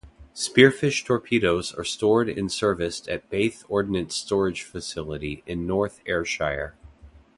Spearfish torpedoes are stored and serviced at Beith Ordnance Storage facility in North Ayrshire.